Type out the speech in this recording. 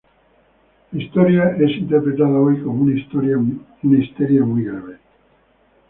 La historia es interpretada hoy como una histeria muy grave.